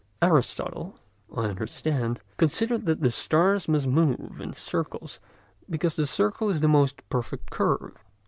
Aristotle, I understand, considered that the stars must move in circles because the circle is the most perfect curve.